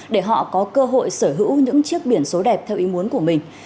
để họ có cơ hội sở hữu những chiếc biển số đẹp theo ý muốn của mình